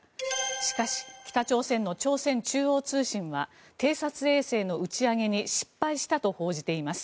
しかし、北朝鮮の朝鮮中央通信は偵察衛星の打ち上げに失敗したと報じています。